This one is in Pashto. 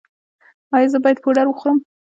ایا زه باید پوډر وخورم؟